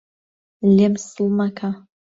لێم سڵ مەکە